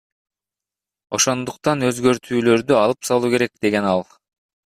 Ошондуктан өзгөртүүлөрдү алып салуу керек, — деген ал.